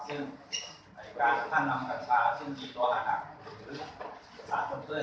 ซึ่งบริการท่านนำกันตราซึ่งมีตัวอาหารหรือสารตัวเพื่อน